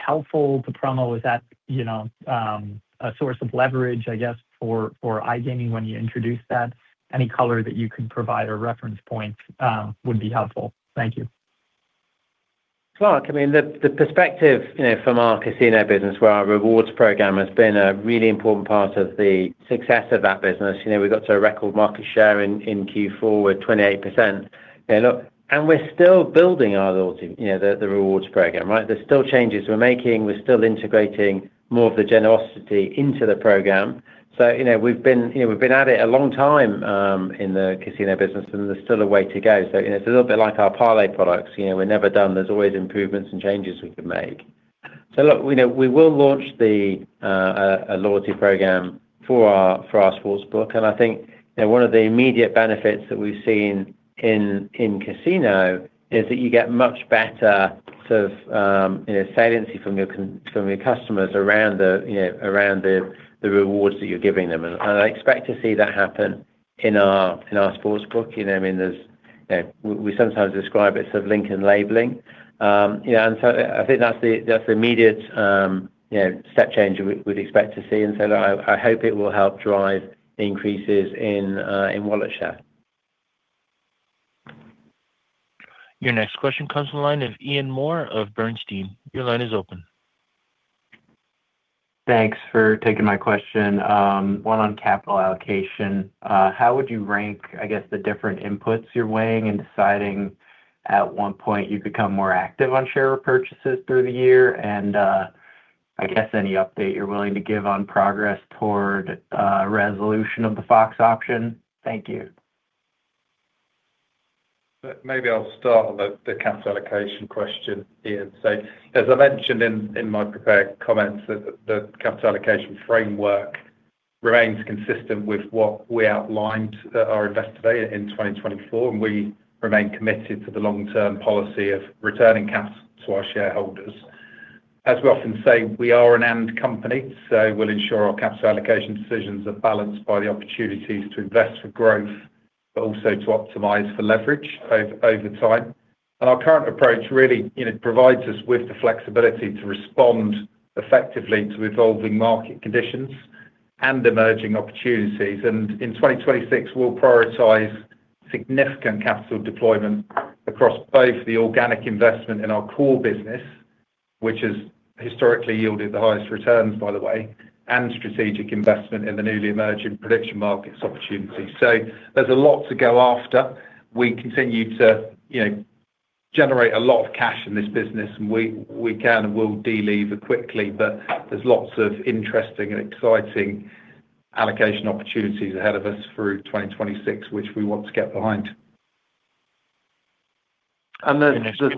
helpful to promo? Was that, you know, a source of leverage, I guess, for iGaming when you introduced that? Any color that you could provide or reference point, would be helpful. Thank you. Clark, I mean, the perspective, you know, from our casino business where our rewards program has been a really important part of the success of that business. You know, we got to a record market share in Q4 with 28%. We're still building our loyalty, you know, the rewards program, right? There's still changes we're making. We're still integrating more of the Generosity into the program. You know, we've been, you know, we've been at it a long time in the casino business, and there's still a way to go. You know, it's a little bit like our parlay products. You know, we're never done. There's always improvements and changes we can make. Look, you know, we will launch a loyalty program for our sportsbook. I think, you know, one of the immediate benefits that we've seen in Casino is that you get much better sort of, you know, saliency from your customers around the, you know, around the rewards that you're giving them. I expect to see that happen in our, in our sportsbook. You know, I mean, there's, you know, we sometimes describe it as link and labeling. You know, I think that's the, that's the immediate, you know, step change we'd expect to see. I hope it will help drive increases in wallet share. Your next question comes from the line of Ian Moore of Bernstein. Your line is open. Thanks for taking my question. One on capital allocation. How would you rank, I guess, the different inputs you're weighing in deciding at what point you become more active on share purchases through the year? I guess any update you're willing to give on progress toward resolution of the Fox option. Thank you. Maybe I'll start on the capital allocation question, Ian. As I mentioned in my prepared comments that the capital allocation framework remains consistent with what we outlined at our Investor Day in 2024, and we remain committed to the long-term policy of returning capital to our shareholders. As we often say, we are an and company, so we'll ensure our capital allocation decisions are balanced by the opportunities to invest for growth, but also to optimize for leverage over time. Our current approach really, you know, provides us with the flexibility to respond effectively to evolving market conditions and emerging opportunities. In 2026, we'll prioritize significant capital deployment across both the organic investment in our core business, which has historically yielded the highest returns, by the way, and strategic investment in the newly emerging prediction markets opportunity. There's a lot to go after. We continue to, you know, generate a lot of cash in this business, and we can and will delever quickly. There's lots of interesting and exciting allocation opportunities ahead of us through 2026, which we want to get behind. There's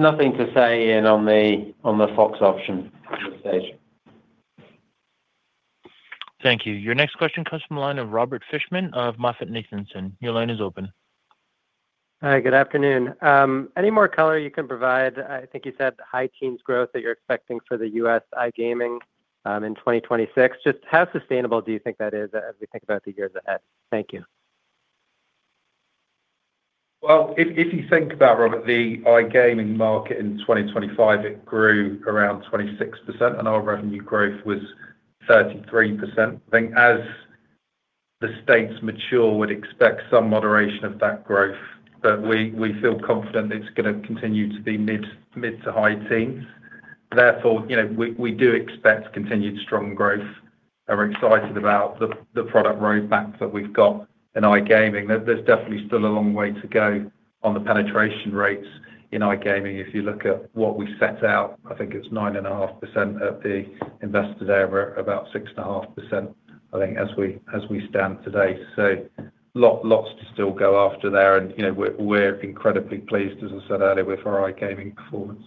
nothing to say in on the Fox option at this stage. Thank you. Your next question comes from the line of Robert Fishman of MoffettNathanson. Your line is open. Hi, good afternoon. Any more color you can provide, I think you said high teens growth that you're expecting for the U.S. iGaming, in 2026? Just how sustainable do you think that is as we think about the years ahead? Thank you. Well, if you think about, Robert, the iGaming market in 2025, it grew around 26%, and our revenue growth was 33%. I think as the states mature, we'd expect some moderation of that growth. We feel confident it's gonna continue to be mid to high teens. You know, we do expect continued strong growth and we're excited about the product roadmap that we've got in iGaming. There's definitely still a long way to go on the penetration rates in iGaming. If you look at what we set out, I think it's 9.5% at the Investor Day. We're about 6.5%, I think, as we stand today. Lots to still go after there. You know, we're incredibly pleased, as I said earlier, with our iGaming performance.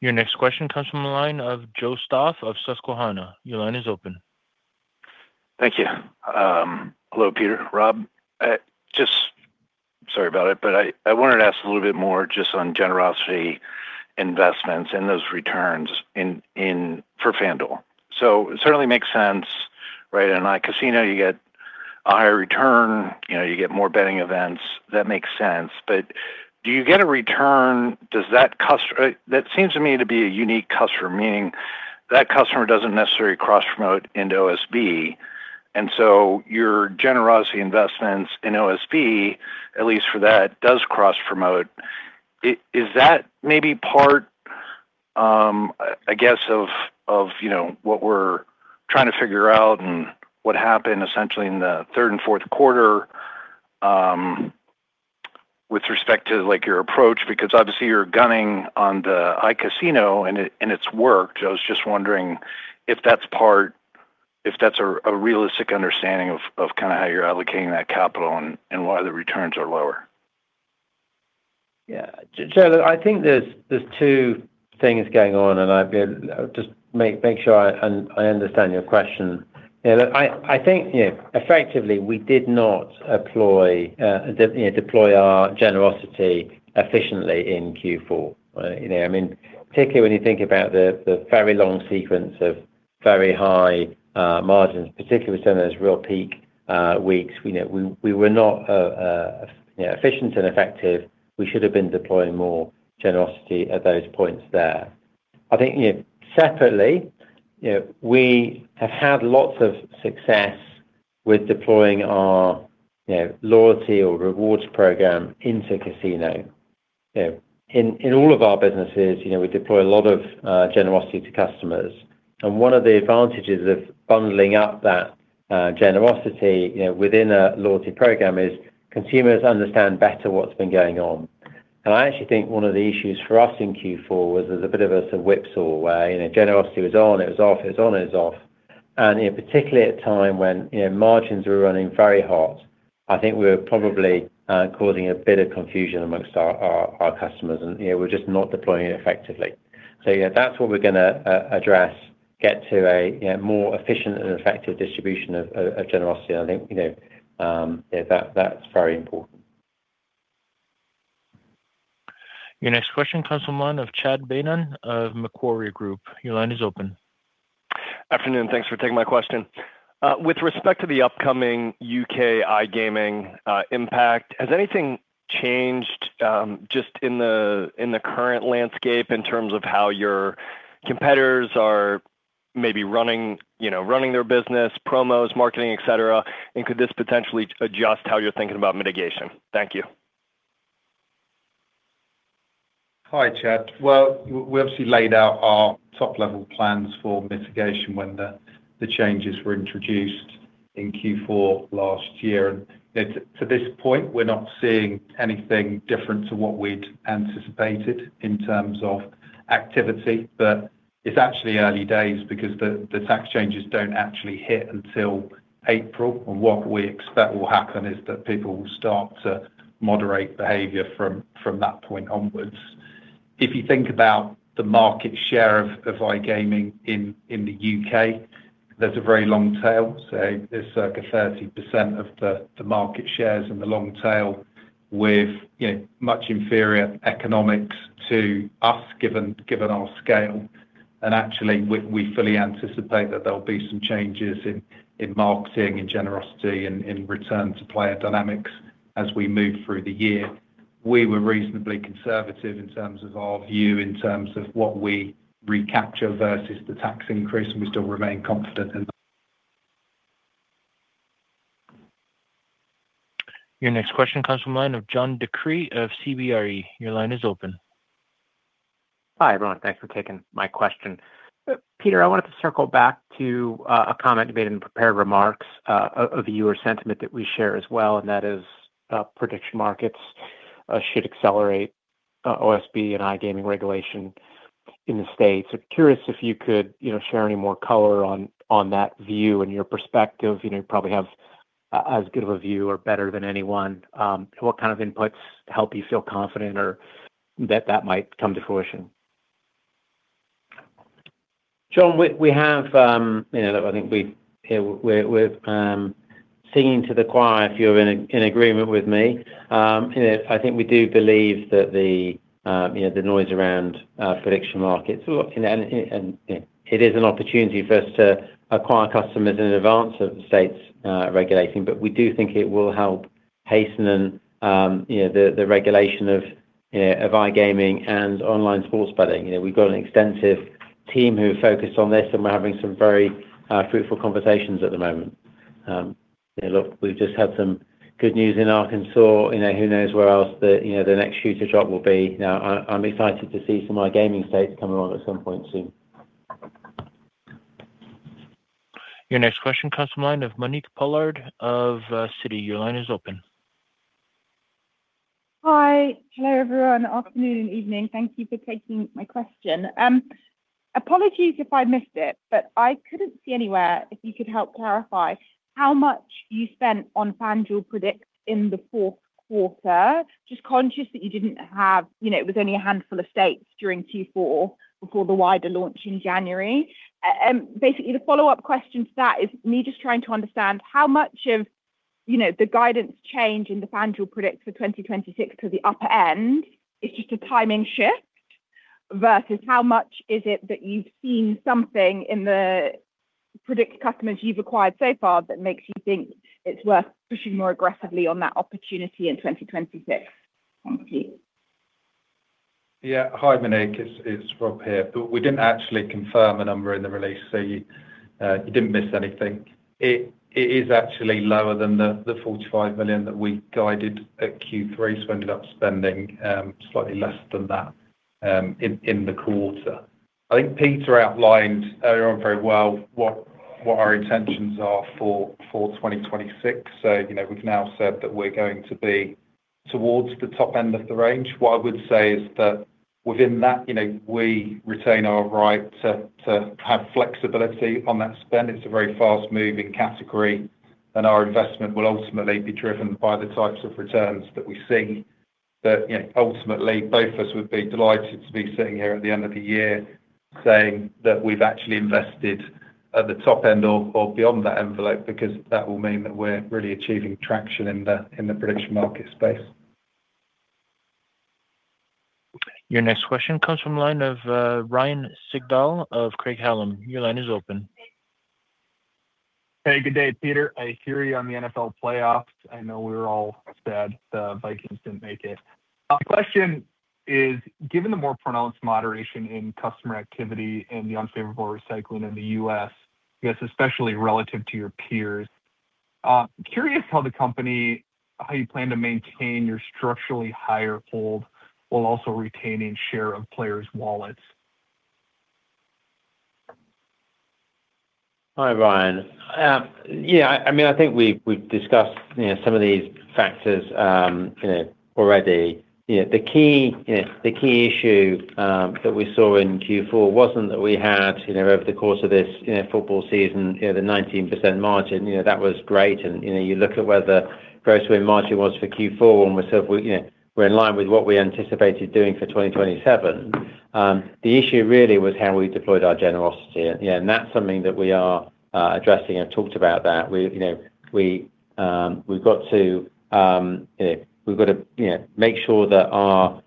Your next question comes from the line of Joe Stauff of Susquehanna. Your line is open. Thank you. Hello, Peter, Rob. Sorry about it, but I wanted to ask a little bit more just on Generosity investments and those returns for FanDuel. It certainly makes sense, right? In iGaming, you get a higher return, you know, you get more betting events. That makes sense. Do you get a return? That seems to me to be a unique customer, meaning that customer doesn't necessarily cross-promote into OSB. Your Generosity investments in OSB, at least for that, does cross-promote. Is that maybe part, I guess, of, you know, what we're trying to figure out and what happened essentially in the third and fourth quarter with respect to, like, your approach? Because obviously you're gunning on the iGaming and it's worked. I was just wondering if that's a realistic understanding of kind of how you're allocating that capital and why the returns are lower? I think there's two things going on, just make sure I, and I understand your question. You know, I think, you know, effectively, we did not employ, you know, deploy our Generosity efficiently in Q4. You know, I mean, particularly when you think about the very long sequence of very high margins, particularly some of those real peak weeks. You know, we were not, you know, efficient and effective. We should have been deploying more Generosity at those points there. I think, you know, separately, you know, we have had lots of success with deploying our, you know, loyalty or rewards program into casino. You know, in all of our businesses, you know, we deploy a lot of Generosity to customers. One of the advantages of bundling up that Generosity, you know, within a loyalty program is consumers understand better what's been going on. I actually think one of the issues for us in Q4 was there was a bit of a whipsaw way. You know, Generosity was on, it was off, it was on, it was off. You know, particularly at a time when, you know, margins were running very hot, I think we were probably causing a bit of confusion amongst our customers and, you know, we're just not deploying it effectively. Yeah, that's what we're gonna address, get to a, you know, more efficient and effective distribution of Generosity. I think, you know, yeah, that's very important. Your next question comes from line of Chad Beynon of Macquarie Group. Your line is open. Afternoon. Thanks for taking my question. With respect to the upcoming U.K. iGaming impact, has anything changed just in the current landscape in terms of how your competitors are maybe running, you know, running their business, promos, marketing, et cetera? Could this potentially adjust how you're thinking about mitigation? Thank you. Hi, Chad. Well, we obviously laid out our top-level plans for mitigation when the changes were introduced in Q4 last year. To this point, we're not seeing anything different to what we'd anticipated in terms of activity. It's actually early days because the tax changes don't actually hit until April. What we expect will happen is that people will start to moderate behavior from that point onwards. If you think about the market share of iGaming in the U.K., there's a very long tail. There's circa 30% of the market shares in the long tail with, you know, much inferior economics to us, given our scale. Actually we fully anticipate that there'll be some changes in marketing and Generosity in return to player dynamics as we move through the year. We were reasonably conservative in terms of our view, in terms of what we recapture versus the tax increase, and we still remain confident in that. Your next question comes from line of John DeCree of CBRE. Your line is open. Hi, everyone. Thanks for taking my question. Peter, I wanted to circle back to a comment made in prepared remarks of your sentiment that we share as well, and that is, prediction markets should accelerate OSB and iGaming regulation in the States. I'm curious if you could, you know, share any more color on that view and your perspective. You know, you probably have as good of a view or better than anyone, what kind of inputs help you feel confident or that that might come to fruition? John, we have, you know, I think we're singing to the choir if you're in agreement with me. You know, I think we do believe that the, you know, the noise around prediction markets, look, and it is an opportunity for us to acquire customers in advance of the States regulating. We do think it will help hasten, you know, the regulation of, you know, of iGaming and online sports betting. You know, we've got an extensive team who are focused on this, and we're having some very fruitful conversations at the moment. You know, look, we've just had some good news in Arkansas. You know, who knows where else the, you know, the next shoe to drop will be. Now, I'm excited to see some iGaming states come along at some point soon. Your next question comes from line of Monique Pollard of Citi. Your line is open. Hi. Hello, everyone. Afternoon and evening. Thank you for taking my question. Apologies if I missed it, but I couldn't see anywhere if you could help clarify how much you spent on FanDuel Predicts in the fourth quarter. Just conscious that you know, it was only a handful of states during Q4 before the wider launch in January. Basically, the follow-up question to that is me just trying to understand how much of you know, the guidance change in the FanDuel Predicts for 2026 to the upper end is just a timing shift versus how much is it that you've seen something in the Predicts customers you've acquired so far that makes you think it's worth pushing more aggressively on that opportunity in 2026. Thank you. Yeah. Hi, Monique. It's Rob here. We didn't actually confirm a number in the release, so you didn't miss anything. It is actually lower than the $45 million that we guided at Q3, so ended up spending slightly less than that in the quarter. I think Peter outlined earlier on very well what our intentions are for 2026. You know, we've now said that we're going to be towards the top end of the range. What I would say is that within that, you know, we retain our right to have flexibility on that spend. It's a very fast-moving category, and our investment will ultimately be driven by the types of returns that we see that, you know, ultimately both of us would be delighted to be sitting here at the end of the year saying that we've actually invested at the top end or beyond that envelope because that will mean that we're really achieving traction in the, in the prediction market space. Your next question comes from the line of Ryan Sigdahl of Craig-Hallum. Your line is open. Hey, good day, Peter. I hear you're on the NFL playoffs. I know we're all sad the Vikings didn't make it. My question is, given the more pronounced moderation in customer activity and the unfavorable recycling in the U.S., I guess especially relative to your peers, curious how the company, how you plan to maintain your structurally higher hold while also retaining share of players' wallets? Hi, Ryan. I think we've discussed, you know, some of these factors already. The key issue that we saw in Q4 wasn't that we had over the course of this football season the 19% margin. That was great. You look at where the gross margin was for Q4, and we said we're in line with what we anticipated doing for 2027. The issue really was how we deployed our Generosity. That's something that we are addressing and talked about that. We've got to make sure that our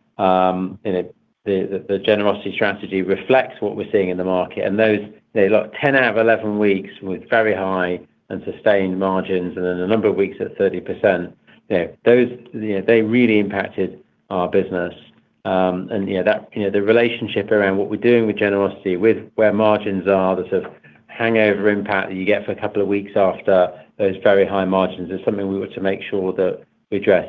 Generosity strategy reflects what we're seeing in the market. Those, you know, 10 out of 11 weeks with very high and sustained margins and then a number of weeks at 30%, you know, those, you know, they really impacted our business. Yeah, that, you know, the relationship around what we're doing with Generosity, with where margins are, the sort of hangover impact you get for a couple of weeks after those very high margins is something we were to make sure that we address.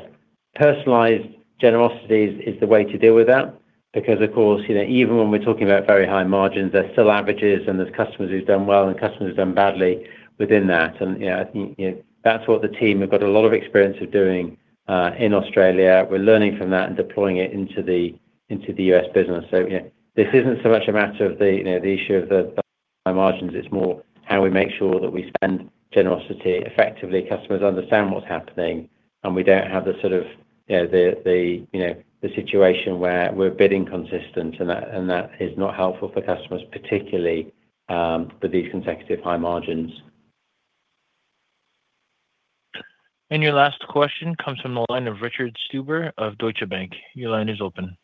Personalized Generosity is the way to deal with that because, of course, you know, even when we're talking about very high margins, there's still averages and there's customers who've done well and customers who've done badly within that. You know, I think, you know, that's what the team have got a lot of experience of doing in Australia. We're learning from that and deploying it into the U.S. business. You know, this isn't so much a matter of the issue of the high margins, it's more how we make sure that we spend Generosity effectively, customers understand what's happening, and we don't have the sort of, you know, the situation where we're a bit inconsistent, and that is not helpful for customers particularly, for these consecutive high margins. Your last question comes from the line of Richard Stuber of Deutsche Bank. Your line is open.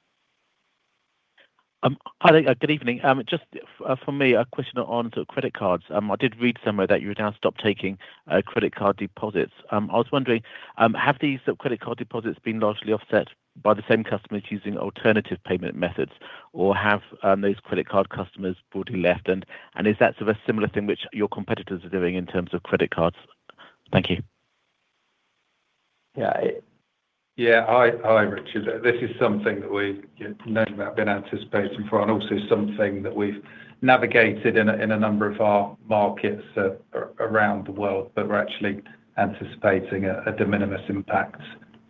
Hi there. Good evening. Just for me, a question on the credit cards. I did read somewhere that you would now stop taking credit card deposits. I was wondering, have these credit card deposits been largely offset by the same customers using alternative payment methods, or have, those credit card customers broadly left and is that the similar thing which your competitors are doing in terms of credit cards? Thank you. Yeah. Yeah. Hi, Richard. This is something that we, you know about, been anticipating for, and also something that we've navigated in a number of our markets around the world. We're actually anticipating a de minimis impact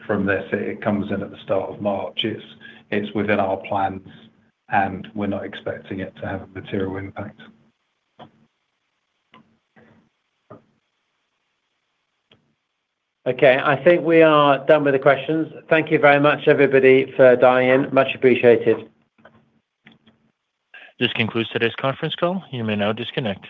from this. It comes in at the start of March. It's within our plans. We're not expecting it to have a material impact. Okay. I think we are done with the questions. Thank you very much, everybody, for dialing. Much appreciated. This concludes today's conference call. You may now disconnect.